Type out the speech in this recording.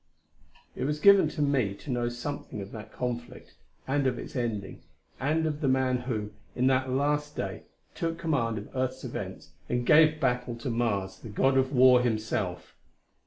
It was given to me to know something of that conflict and of its ending and of the man who, in that last day, took command of Earth's events and gave battle to Mars, the God of War himself.